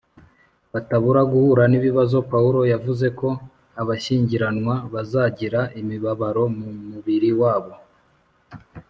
batabura guhura n ibibazo Pawulo yavuze ko abashyingiranwa bazagira imibabaro mu mubiri wabo